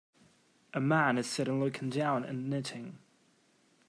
A man is sitting looking down and knitting.